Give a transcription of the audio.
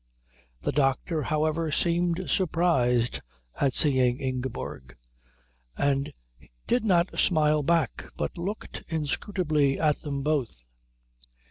The doctor, however, seemed surprised at seeing Ingeborg, and did not smile back but looked inscrutably at them both.